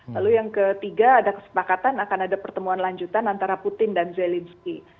lalu yang ketiga ada kesepakatan akan ada pertemuan lanjutan antara putin dan zelensky